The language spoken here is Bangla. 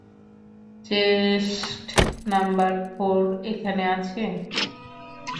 চেস্ট নাম্বার ফোর এখানে আছে?